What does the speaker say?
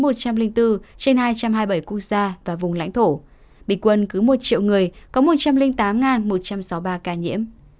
trên hai trăm hai mươi bảy quốc gia và vùng lãnh thổ bình quân cứ một triệu người có một trăm linh tám một trăm sáu mươi ba ca nhiễm